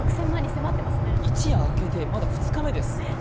一夜明けて、まだ２日目です。